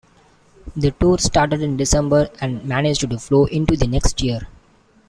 The tour started in December and managed to flow into the next year.